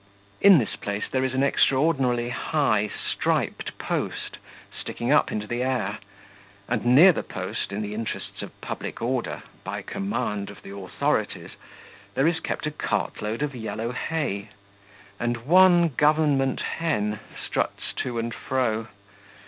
In this place there is an extraordinarily high striped post sticking up into the air, and near the post, in the interests of public order, by command of the authorities, there is kept a cartload of yellow hay, and one government hen struts to and fro.